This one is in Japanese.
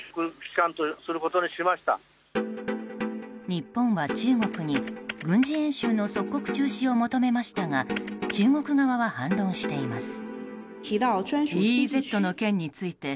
日本は中国に軍事演習の即刻中止を求めましたが中国側は反論しています。